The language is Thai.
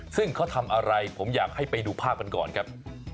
ซึ่งเขาทำอะไรผมอยากให้ไปดูภาพกันก่อนครับ